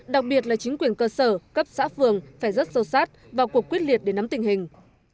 đặc biệt là chính quyền cơ sở cấp xã phường phải rất sâu sát vào cuộc quyết liệt để nắm tình hình